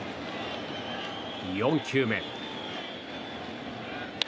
４球目。